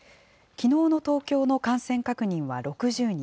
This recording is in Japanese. きのうの東京の感染確認は６０人。